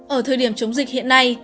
ở thời điểm chống dịch hiện nay